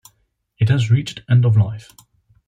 It has reached end-of-life.